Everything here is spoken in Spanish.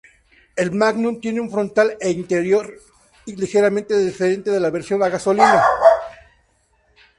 El Magnum tiene un frontal e interior ligeramente diferente de la versión a gasolina.